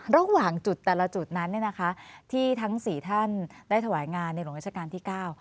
ระหว่างจุดแต่ละจุดนั้นเนี่ยนะคะที่ทั้งสี่ท่านได้ถวายงานในหลวงราชการที่เก้า